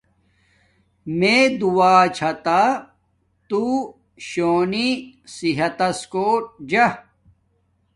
میے دعا چھا تو شونی صحت تس کوٹ جا